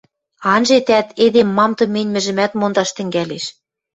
— анжетӓт, эдем мам тыменьмӹжӹмӓт мондаш тӹнгӓлеш.